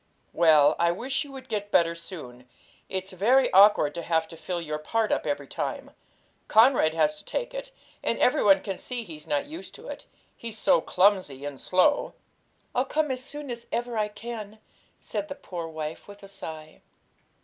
'Well, I wish you would get better soon; it's very awkward to have to fill your part up every time. Conrad has to take it, and every one can see he's not used to it, he's so clumsy and slow.' 'I'll come as soon as ever I can,' said the poor wife, with a sigh.